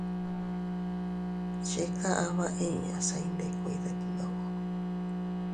Chika ama inña se iyndikuiy detndoʼo.